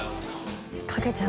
かけちゃう。